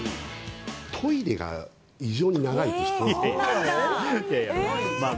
トイレが異常に長いって知ってます？